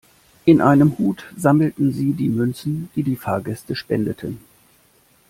In einem Hut sammelten Sie die Münzen, die die Fahrgäste spendeten.